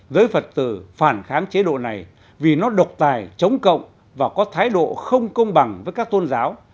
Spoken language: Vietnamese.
giới phật tử phản kháng chế độ này vì nó độc tài chống cộng và có thái độ không công bằng với các tôn giáo